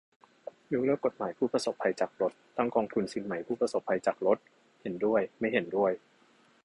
ยกเลิกกฎหมายผู้ประสบภัยจากรถ ตั้งกองทุนสินไหมผู้ประสบภัยจากรถ ? เห็นด้วย ไม่เห็นด้วย